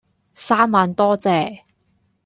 三萬多謝